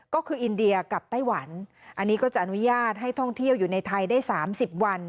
ก็คืออินเดียกับไต้หวันอันนี้ก็จะอนุญาตให้ท่องเที่ยวอยู่ในไทยได้๓๐วัน